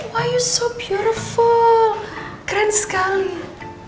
why are you so beautiful keren sekali